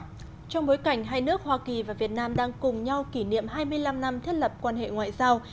trong bối cảnh hai nước hoa kỳ và việt nam đang cùng nhau kỷ niệm hai mươi năm năm thiết lập quan hệ ngoại giao